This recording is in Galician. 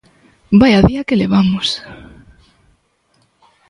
¡Vaia día que levamos!